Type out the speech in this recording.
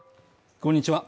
こんにちは